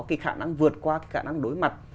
cái khả năng vượt qua cái khả năng đối mặt